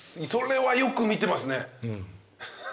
それはよく見てますね。